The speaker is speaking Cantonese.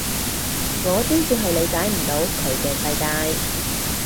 我先至係理解唔到佢嘅世界